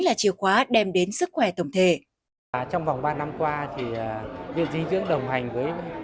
là chìa khóa đem đến sức khỏe tổng thể trong vòng ba năm qua thì viện dinh dưỡng đồng hành với